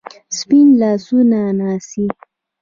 سپین لاسونه ناڅي